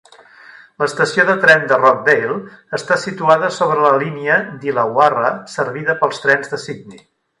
L'estació de tren de Rockdale està situada sobre la línia d'Illawarra, servida pels Trens de Sidney.